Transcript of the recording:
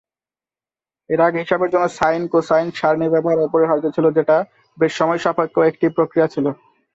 এর আগে হিসাবের জন্য সাইন-কোসাইন সারণী ব্যবহার অপরিহার্য ছিল, যেটা বেশ সময়-সাপেক্ষ একটি প্রক্রিয়া ছিল।